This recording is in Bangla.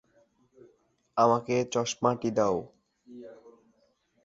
হান্নাহ একজন জনসংযোগ কর্মকর্তা।